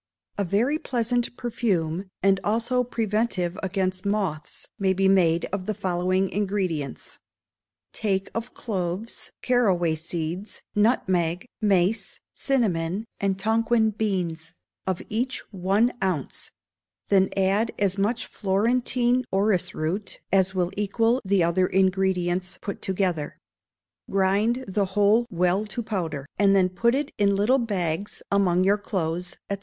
A very pleasant perfume, and also preventive against moths, may be made of the following ingredients: Take of cloves, caraway seeds, nutmeg, mace, cinnamon, and Tonquin beans, of each one ounce; then add as much Florentine orris root as will equal the other ingredients put together. Grind the whole well to powder, and then put it in little bags among your clothes, &c.